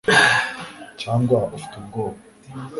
cyangwa ufite ubwoba